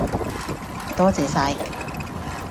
多謝晒